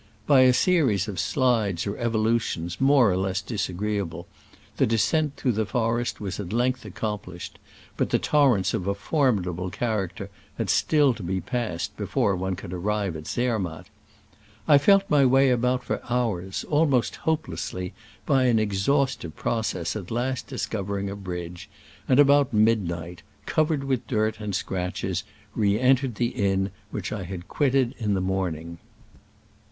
By a series of slides or falls, or evolutions more or less disagreeable, the descent through the forest was at length accomplished, but torrents of a formidable character had still to be passed before one could ar rive at Zermatt. I felt my way about for hours, almost hopelessly, by an ex haustive process at last discovering a bridge, and about midnight, covered with dirt and scratches, re entered the inn which I had quitted in the morning.